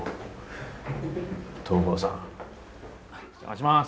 お邪魔します！